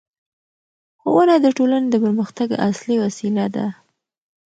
ښوونه د ټولنې د پرمختګ اصلي وسیله ده